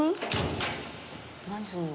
「何するの？」